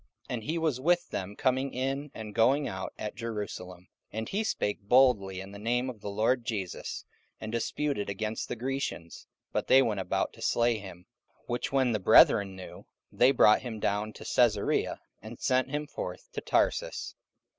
44:009:028 And he was with them coming in and going out at Jerusalem. 44:009:029 And he spake boldly in the name of the Lord Jesus, and disputed against the Grecians: but they went about to slay him. 44:009:030 Which when the brethren knew, they brought him down to Caesarea, and sent him forth to Tarsus.